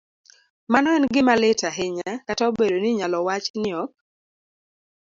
mano en gima lit ahinya, kata obedo ni inyalo wach ni ok